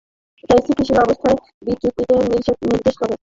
এটা স্থিতিশীল অবস্থার বিচ্যুতিকে নির্দেশ করে।